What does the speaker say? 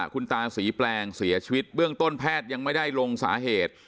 คุณตาศรีแปลงเสียชีวิตเบื้องต้นแพทย์ยังไม่ได้ลงสาเหตุ